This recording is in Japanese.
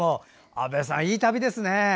阿部さん、いい旅ですね。